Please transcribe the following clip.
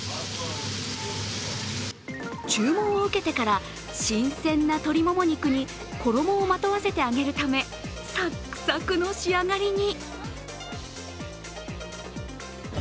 注文を受けてから新鮮な鶏もも肉に衣をまとわせて揚げるためサックサクの仕上がりに。